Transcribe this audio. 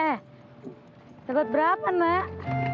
eh segot berapa mak